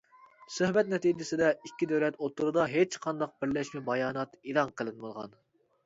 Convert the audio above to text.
سۆھبەت نەتىجىسىدە ئىككى دۆلەت ئوتتۇرىدا ھېچقانداق بىرلەشمە بايانات ئېلان قىلىنمىغان.